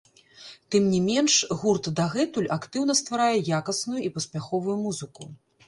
Тым не менш, гурт дагэтуль актыўна стварае якасную і паспяховую музыку.